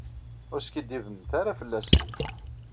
Ur skiddibemt ara fell-asen.